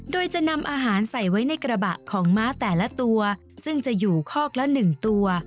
โดยจะนำอาหารใส่ไว้ในกระบะของม้าแต่ละตัวซึ่งจะอยู่คอกละ๑ตัว